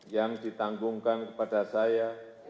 yang ditanggungkan kepada saya